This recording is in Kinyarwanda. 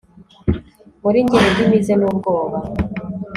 muri njye indimi ze n'ubwoba